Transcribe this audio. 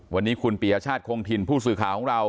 วันนี้คุณปียชาติคงถิ่นผู้สื่อข่าวของเรา